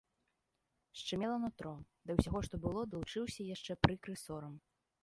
Шчымела нутро, да ўсяго, што было, далучыўся яшчэ прыкры сорам.